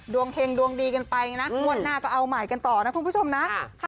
เฮงดวงดีกันไปนะงวดหน้าก็เอาใหม่กันต่อนะคุณผู้ชมนะ